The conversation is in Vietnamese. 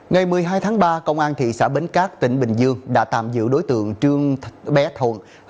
ngày một mươi hai tháng ba công an thị xã bến cát tỉnh bình dương đã tạm giữ đối tượng trương bé thuận